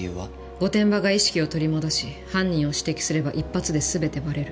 御殿場が意識を取り戻し犯人を指摘すれば一発で全てバレる。